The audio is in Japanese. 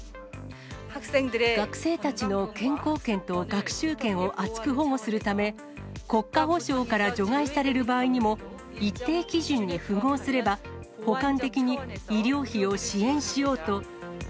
学生たちの健康権と学習権を厚く保護するため、国家補償から除外される場合にも、一定基準に符合すれば補完的に医療費を支援しようと。